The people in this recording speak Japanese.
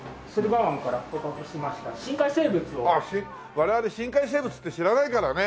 我々深海生物って知らないからね。